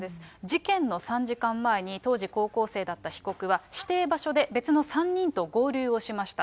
事件の３時間前に、当時高校生だった被告は、指定場所で別の３人と合流をしました。